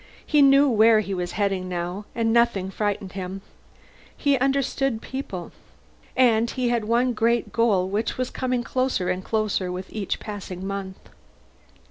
He knew where he was heading, now, and nothing frightened him. He understood people. And he had one great goal which was coming closer and closer with each passing month.